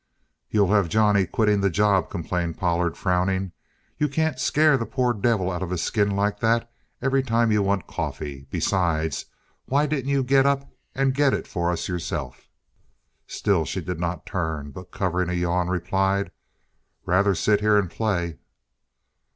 "You'll have Johnny quitting the job," complained Pollard, frowning. "You can't scare the poor devil out of his skin like that every time you want coffee. Besides, why didn't you get up and get it for us yourself?" Still she did not turn; but, covering a yawn, replied: "Rather sit here and play."